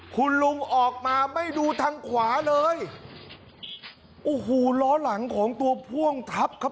คุณลุงออกมาไม่ดูทางขวาเลยโอ้โหล้อหลังของตัวพ่วงทับครับ